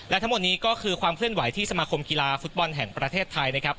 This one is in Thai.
และทั้งหมดนี้ก็คือความเคลื่อนไหวที่สมาคมกีฬาฟุตบอลแห่งประเทศไทยนะครับ